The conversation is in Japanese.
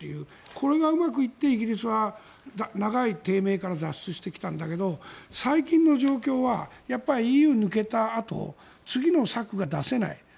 これがうまくいってイギリスは長い低迷から脱出してきたんだけど最近の状況はＥＵを抜けたあと次の策が出せない。